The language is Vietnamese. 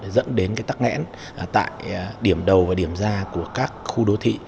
dẫn đến tắc nghẽn tại điểm đầu và điểm ra của các khu đô thị